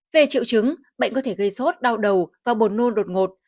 về triệu chứng bệnh có thể gây sốt đau đầu và buồn nôn đột ngột